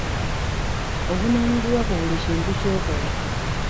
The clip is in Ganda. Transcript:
Ovunaanyizibwa ku buli kintu ky'okola.